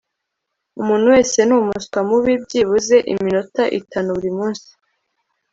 umuntu wese ni umuswa mubi byibuze iminota itanu buri munsi